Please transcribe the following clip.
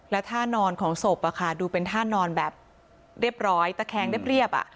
แล้วท่านอนของศพดูเป็นท่านอนแบบเรียบร้อยตะแคงเรียบ